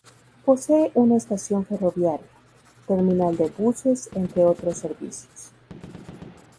Posee una estación ferroviaria, terminal de buses, entre otros servicios.